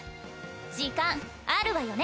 時間あるわよね？